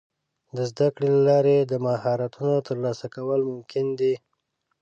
د زده کړې له لارې د مهارتونو ترلاسه کول ممکن دي.